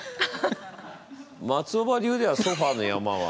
松尾葉流では「ソファーの山」は。